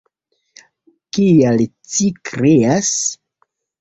Kial ci krias?